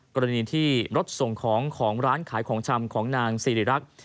กรณีที่รถส่งของของร้านขายของชำของนางสิริรักษ์